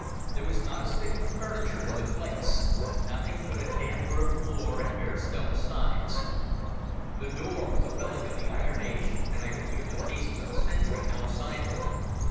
There was not a stick of furniture in the place: nothing but a damp earth floor and bare stone sides, The door was a relic of the Iron Age, and I could hear the paces of a sentry outside it.